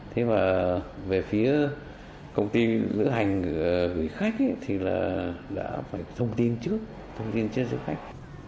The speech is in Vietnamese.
thế mà về phía công ty lữ hành gửi khách thì là phải thông tin trước thông tin trước cho khách